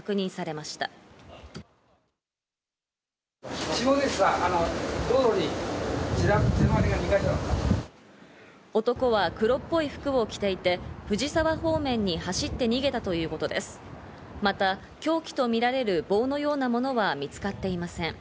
また凶器とみられる棒のようなものは見つかっていません。